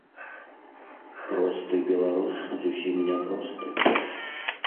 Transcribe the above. Просты беларус зусім не просты.